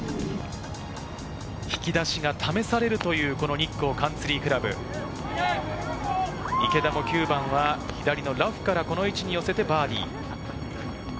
引き出しが試されるというこの日光カンツリー倶楽部、池田も９番は左のラフからこの位置に寄せてバーディー。